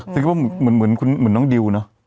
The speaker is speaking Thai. สิงคโปร์เหมือนน้องดิวเนอะ